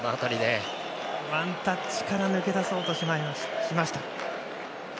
ワンタッチから抜け出そうとしました。